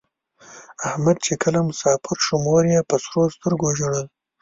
احمد چې کله مسافر شو مور یې په سرو سترگو ژړل.